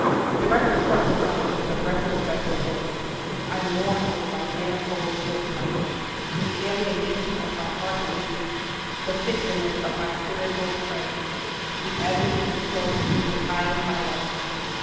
The retrospect of life is a retrospect of guilt. I mourn over my manifold shortcomings the alienation of my heart from Thee the fitfulness of my spiritual frames the ebbings and flowings in the tide of my love.